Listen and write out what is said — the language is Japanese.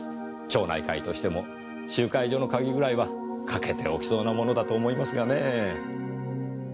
町内会としても集会所の鍵ぐらいは掛けておきそうなものだと思いますがねぇ。